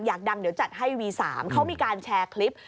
อยากดังเดี๋ยวจัดให้วี๓เขามีการแชร์คลิป